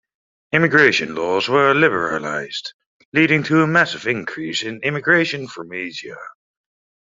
Immigration laws were liberalised, leading to a massive increase in immigration from Asia.